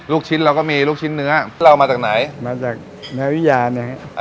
ลูกชิ้นเราก็มีลูกชิ้นเนื้อเราเอามาจากไหนมาจากแม่วิยาเนี่ย